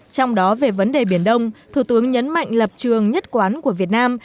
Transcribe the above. trong đó về vấn đề biển đông thủ tướng nhấn mạnh lập trường nhất quán của việt nam